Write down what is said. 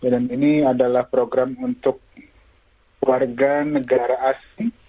dan ini adalah program untuk warga negara asli